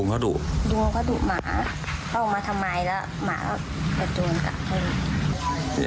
ลุงเขาดุหมาเขาออกมาทำไมแล้วหมาก็ดุกลงกลับไป